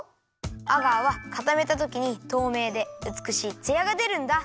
アガーはかためたときにとうめいでうつくしいツヤがでるんだ。